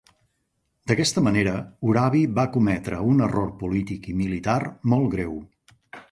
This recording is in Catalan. D"aquesta manera, Urabi va cometre un error polític i militar molt greu.